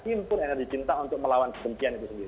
impun energi cinta untuk melawan kebencian itu sendiri